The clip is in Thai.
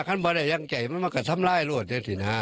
ขั้นพ่อได้อย่างใจมันมันก็ทำลัยรูดนี่สินะ